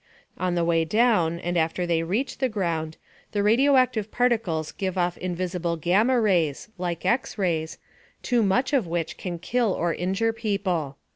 On the way down, and after they reach the ground, the radioactive particles give off invisible gamma rays like X rays too much of which can kill or injure people.